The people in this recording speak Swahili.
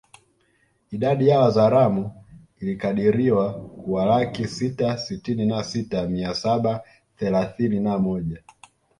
Idadi ya Wazaramo ilikadiriwa kuwalaki sita sitini na sita mia saba thelathini na moja